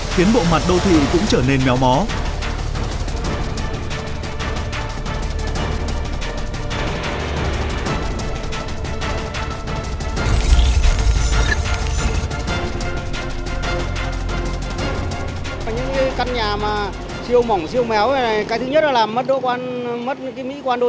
khiến bộ mặt đô thị cũng trở nên méo mó